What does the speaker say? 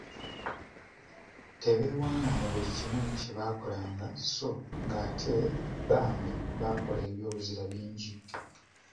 Tebeewaana mu buli kimu kye baakolanga so ng'ate bambi baakola eby'obuzira bingi.